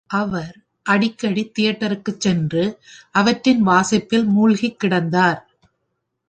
அவர் அடிக்கடி தியேட்டருக்குச் சென்று, அவற்றின் வாசிப்பில் மூல்கிக் கிடந்தார்.